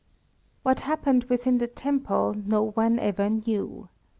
What happened within the temple no one ever knew.